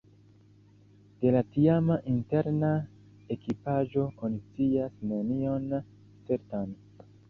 De la tiama interna ekipaĵo oni scias nenion certan.